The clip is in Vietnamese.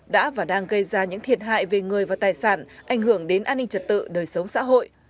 đã và đang gây ra những thiệt hại về người và tài sản ảnh hưởng đến an ninh trật tự đời sống xã hội